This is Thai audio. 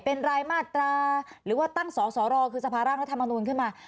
เป็นรายมาตราหรือว่าตั้งสอสอรอคือสภาร่างรัฐมนูลขึ้นมา